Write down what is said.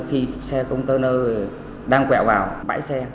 khi xe container đang quẹo vào bãi xe